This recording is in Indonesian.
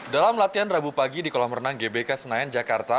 dalam latihan rabu pagi di kolam renang gbk senayan jakarta